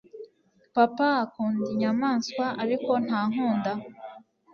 papa akunda inyamanswa ariko ntakunda